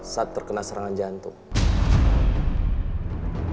saat terkena serangan jantung